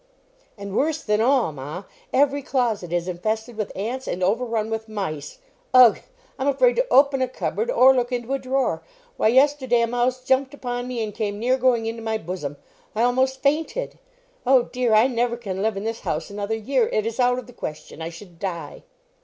"And worse than all, ma, every closet is infested with ants and overrun with mice. Ugh! I'm afraid to open a cupboard, or look into a drawer. Why, yesterday, a mouse jumped upon me and came near going into my bosom. I almost fainted. Oh, dear! I never can live in this house another year; it is out of the question. I should die."